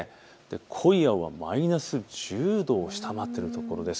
濃い青はマイナス１０度を下回っているところです。